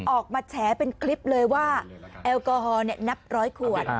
ออกมาแฉเป็นคลิปเลยว่าแอลกอฮอล์นับร้อยขวด